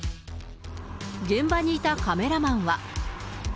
現場にいたカメラマンは。